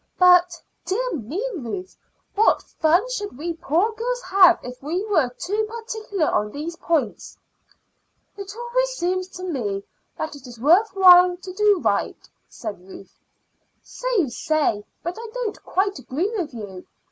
But, dear me, Ruth! what fun should we poor girls have if we were too particular on these points?" "It always seems to me that it is worth while to do right," said Ruth. "So you say, but I don't quite agree with you.